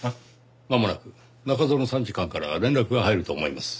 まもなく中園参事官から連絡が入ると思います。